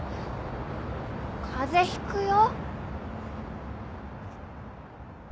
風邪ひくよ。